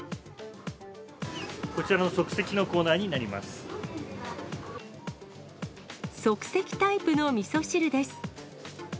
こちらの即席のコーナーにな即席タイプのみそ汁です。